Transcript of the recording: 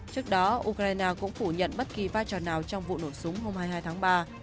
trước đó ukraine cũng phủ nhận bất kỳ vai trò nào trong vụ nổ súng hôm hai mươi hai tháng ba